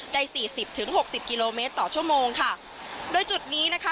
สี่สิบถึงหกสิบกิโลเมตรต่อชั่วโมงค่ะโดยจุดนี้นะคะ